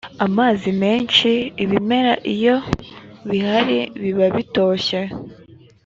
amazi menshi ibimera iyo bihari biba bitoshye.